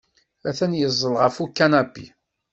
Atan yeẓẓel ɣef ukanapi.